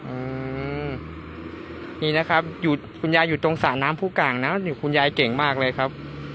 อืมนี่นะครับอยู่คุณยายอยู่ตรงสระน้ำผู้กลางนะคุณยายเก่งมากเลยครับ